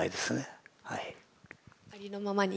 ありのままに。